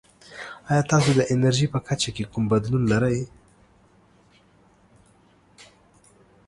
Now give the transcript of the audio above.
ایا تاسو د انرژي په کچه کې کوم بدلون لرئ؟